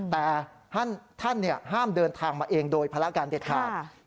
แต่ท่านห้ามเดินทางมาเองโดยภารการเด็ดขาด